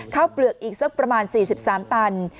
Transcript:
เปลือกอีกสักประมาณ๔๓ตัน